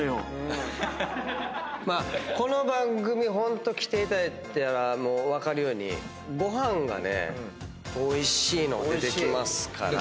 まあこの番組ホント来ていただいたら分かるようにご飯がねおいしいの出てきますから。